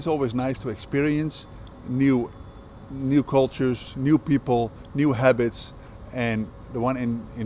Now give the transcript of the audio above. những người mới những tình hình mới